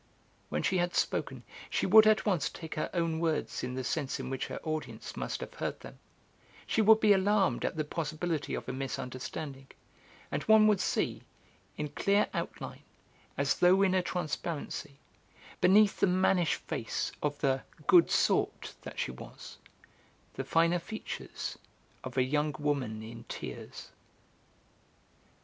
When she had spoken, she would at once take her own words in the sense in which her audience must have heard them, she would be alarmed at the possibility of a misunderstanding, and one would see, in clear outline, as though in a transparency, beneath the mannish face of the 'good sort' that she was, the finer features of a young woman in tears.